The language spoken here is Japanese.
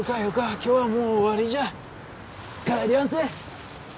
今日はもう終わりじゃ帰りやんせ